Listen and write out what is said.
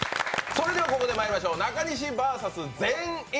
それではここでまいりましょう、中西ＶＳ全員。